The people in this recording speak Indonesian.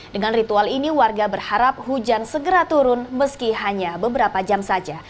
dengan ritual ini warga berharap hujan segera turun meski hanya beberapa jam saja